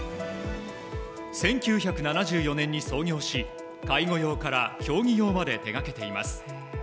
１９７４年に創業し介護用から競技用まで手がけています。